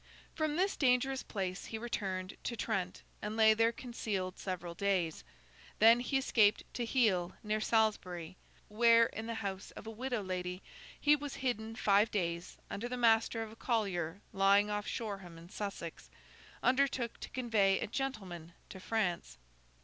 From this dangerous place he returned to Trent, and lay there concealed several days. Then he escaped to Heale, near Salisbury; where, in the house of a widow lady, he was hidden five days, until the master of a collier lying off Shoreham in Sussex, undertook to convey a 'gentleman' to France.